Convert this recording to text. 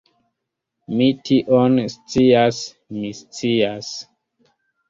Mi tion scias, mi scias!